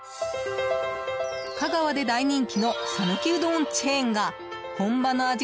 香川で大人気の讃岐うどんチェーンが本場の味